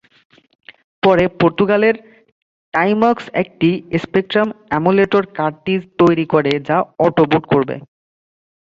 পরে, পর্তুগালের টাইমক্স একটি স্পেকট্রাম এমুলেটর কার্টিজ তৈরি করে যা অটো-বুট করবে।